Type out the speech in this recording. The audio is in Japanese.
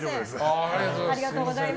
ありがとうございます。